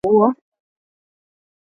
Gilmore ameelezea wasiwasi wa umoja huo.